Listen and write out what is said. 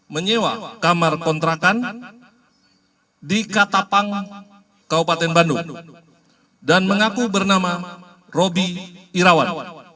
menyewa kamar kontrakan di katapang kabupaten bandung dan mengaku bernama roby irawan